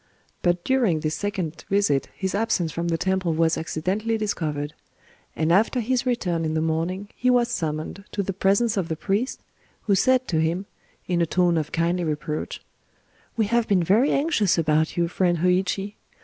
But during this second visit his absence from the temple was accidentally discovered; and after his return in the morning he was summoned to the presence of the priest, who said to him, in a tone of kindly reproach:— "We have been very anxious about you, friend Hōïchi.